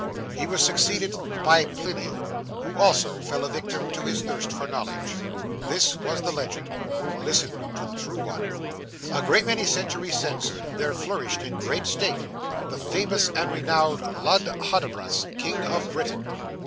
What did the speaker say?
He was succeeded by Pliny, who also fell a victim to his thirst for knowledge. 'This was the legend. Listen to the true one. 'A great many centuries since, there flourished, in great state, the famous and renowned Lud Hudibras, king of Britain.